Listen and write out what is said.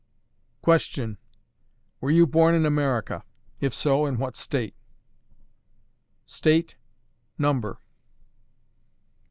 Question. WERE YOU BORN IN AMERICA? IF SO, IN WHAT STATE? State. Number.